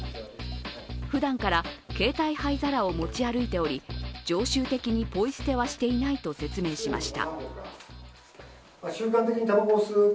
ふだんから携帯灰皿を持ち歩いており常習的にポイ捨てはしていないと説明しました。